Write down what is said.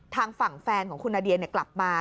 ทางฝั่งแฟนของคุณนาเดียกลับมา